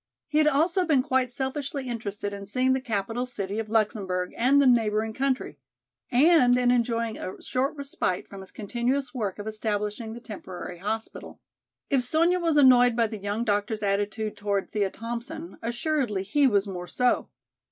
He had also been quite selfishly interested in seeing the capital city of Luxemburg and the neighboring country and in enjoying a short respite from his continuous work of establishing the temporary hospital. If Sonya was annoyed by the young doctor's attitude toward Thea Thompson, assuredly he was more so.